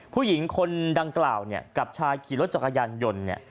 ผู้หญิงคนดังกล่าวเนี่ยกับชายขี่รถจักรยานยนต์เนี่ย